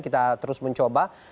kita terus mencoba